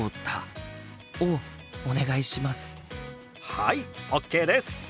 はいＯＫです！